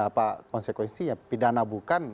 apa konsekuensinya pidana bukan